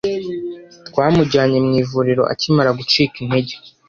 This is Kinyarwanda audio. Twamujyanye mu ivuriro akimara gucika intege.